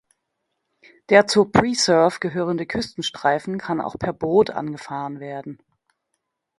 Der zur Preserve gehörende Küstenstreifen kann auch per Boot angefahren werden.